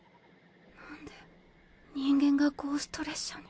なんで人間がゴースト列車に。